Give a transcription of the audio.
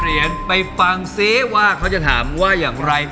เหรียญไปฟังซิว่าเขาจะถามว่าอย่างไร